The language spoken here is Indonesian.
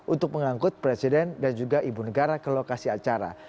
untuk mengangkut presiden dan juga ibu negara ke lokasi acara